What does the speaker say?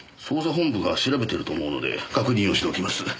捜査本部が調べてると思うので確認をしておきます。